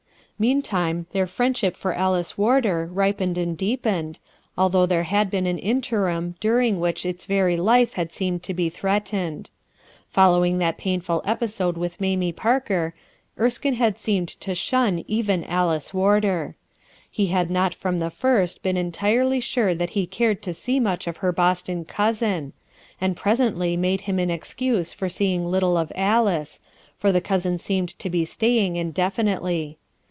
Meantime their friendship for Alice Warder ripened and deepened, although there had been an interim during which, its very life had seemed to be threatened. Following that painful epi sode with Mamie Parker, Erskine had seemed to shun even Alice Warder. He had not from (he first been entirely sure that he cared to see much of her Boston cousin, and presently made him an excuse for seeing Utile of Alice, for the cousin seemed to be staying indefinitely.